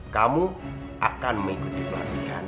kamu akan mengikuti pelatihan